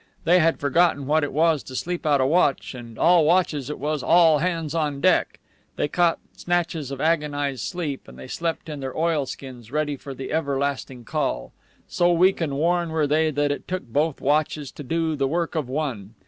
They had forgotten what it was to sleep out a watch, and all watches it was, "All hands on deck!" They caught snatches of agonized sleep, and they slept in their oilskins ready for the everlasting call. So weak and worn were they that it took both watches to do the work of one.